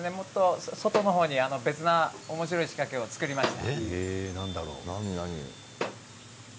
外に新しいおもしろい仕掛けを作りました。